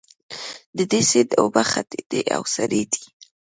د دې سیند اوبه خټینې او سرې دي.